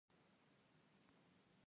اکثر پۀ ما پسې ډوډۍ ګرځئ چې تۀ به وږے ئې ـ